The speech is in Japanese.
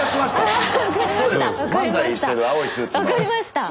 わかりました！